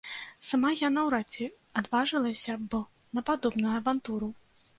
Сама я наўрад ці адважылася б на падобную авантуру.